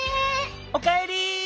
おかえり。